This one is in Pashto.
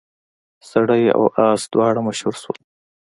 سړی او اس دواړه مشهور شول.